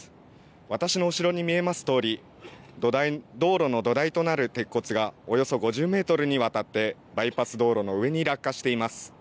私の後ろに見えますとおり、道路の土台となる鉄骨がおよそ５０メートルにわたってバイパス道路の上に落下しています。